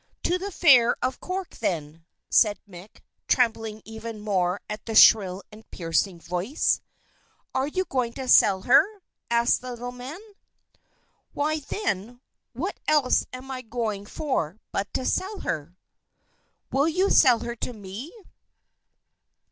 "To the Fair of Cork, then," said Mick, trembling even more at the shrill and piercing voice. "Are you going to sell her?" asked the little man. "Why, then, what else am I going for, but to sell her?" "Will you sell her to me?"